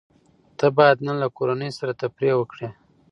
ته بايد نن له کورنۍ سره تفريح وکړې.